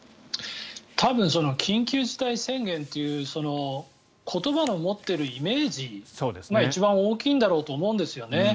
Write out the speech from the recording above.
多分、緊急事態宣言という言葉の持っているイメージが一番大きいんだろうと思うんですよね。